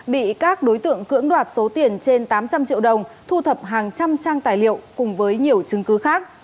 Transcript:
bị các đối tượng cưỡng đoạt số tiền trên tám trăm linh triệu đồng thu thập hàng trăm trang tài liệu cùng với nhiều chứng cứ khác